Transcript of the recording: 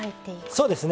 そうですね。